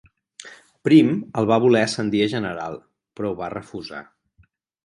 Prim el va voler ascendir a general però ho va refusar.